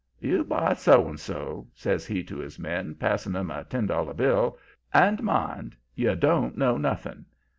"'You buy so and so,' says he to his men, passing 'em a ten dollar bill. 'And mind, you don't know nothing.